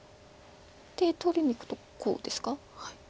で取りにいくとこうですか。